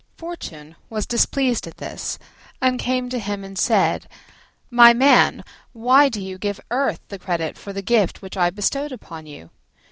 Fortune was displeased at this, and came to him and said, "My man, why do you give Earth the credit for the gift which I bestowed upon you?